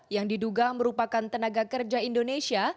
yang diduga merupakan tenaga kerja indonesia